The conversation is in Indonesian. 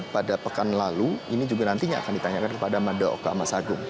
pada pekan lalu ini juga nantinya akan ditanyakan kepada mada oka mas agung